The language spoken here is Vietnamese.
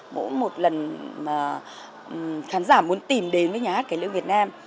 mỗi một lần mà khán giả muốn tìm đến với nhà hát cải lương việt nam